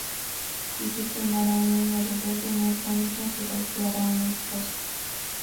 Disciplinar a un niño rebelde no es lo mismo que golpear a una esposa.